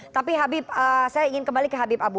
tapi habib saya ingin kembali ke habib abu